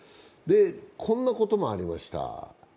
こんなこともありました。